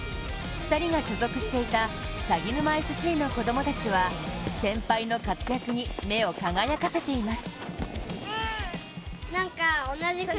２人が所属していたさぎぬまＳＣの子供たちは先輩の活躍に目を輝かせています。